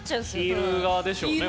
ヒール側でしょうね